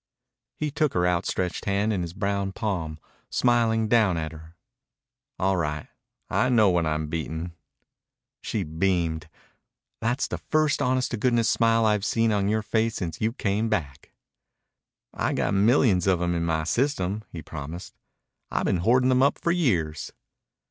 He took her outstretched hand in his brown palm, smiling down at her. "All right. I know when I'm beaten." She beamed. "That's the first honest to goodness smile I've seen on your face since you came back." "I've got millions of 'em in my system," he promised. "I've been hoarding them up for years."